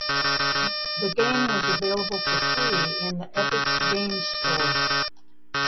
The game was available for free in the Epic Games Store.